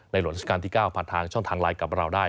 หลวงราชการที่๙ผ่านทางช่องทางไลน์กับเราได้